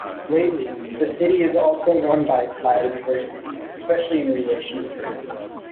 Lately, the city is also known by its biodiversity, especially in relation to birds.